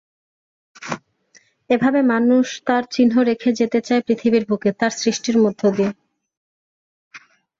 এভাবে মানুষ তার চিহ্ন রেখে যেতে চায় পৃথিবীর বুকে—তার সৃষ্টির মধ্য দিয়ে।